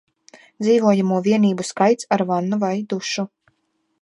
Dzīvojamo vienību skaits ar vannu vai dušu